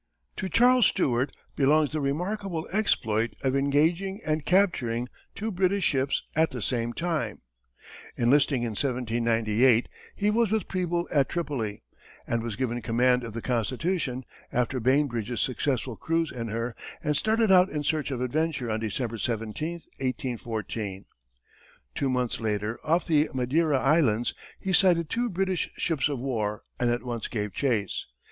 To Charles Stewart belongs the remarkable exploit of engaging and capturing two British ships at the same time. Enlisting in 1798, he was with Preble at Tripoli, and was given command of the Constitution, after Bainbridge's successful cruise in her, and started out in search of adventure on December 17, 1814. Two months later, off the Madeira Islands he sighted two British ships of war and at once gave chase.